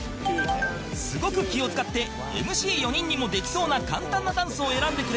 すごく気を使って ＭＣ４ 人にもできそうな簡単なダンスを選んでくれた